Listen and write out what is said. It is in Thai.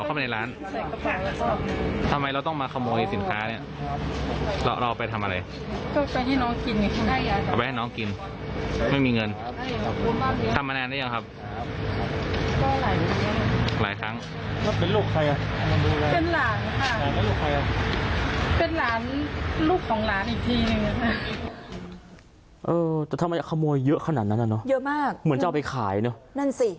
ทำไมขโมยเยอะขนาดนั้นอ่ะเนอะเยอะมากเหมือนจะเอาไปขายเนอะนั่นสิ